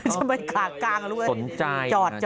จอดตอนนี้จอด